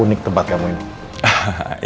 unik tempat kamu ini